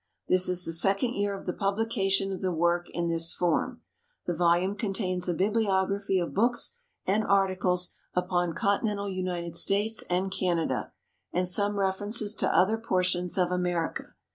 This is the second year of the publication of the work in this form; the volume contains a bibliography of books and articles upon Continental United States and Canada, and some references to other portions of America.